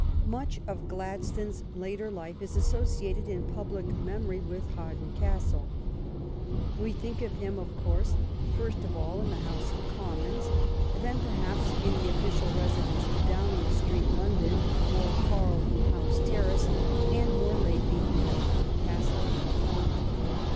Much of Gladstone's later life is associated in public memory with Hawarden Castle. We think of him, of course, first of all, in the House of Commons ; then, perhaps, in the offi cial residence. Downing Street, London, or Carl ton House Terrace ; and more lately in Hawarden Castle.